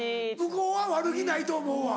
向こうは悪気ないと思うわ。